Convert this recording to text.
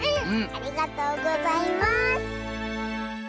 ありがとうございます！